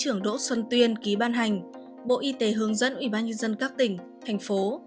thủ tướng đỗ xuân tuyên ký ban hành bộ y tế hướng dẫn ubnd các tỉnh thành phố